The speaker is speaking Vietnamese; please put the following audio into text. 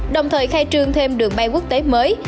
đồng thời khai trương thêm đường bay quốc tế mới